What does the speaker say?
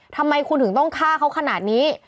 ทำไมคุณถึงต้องฆ่าเขาขนาดนี้